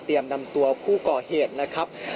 นำตัวผู้ก่อเหตุนะครับ